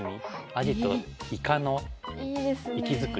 アジとイカの生き造り。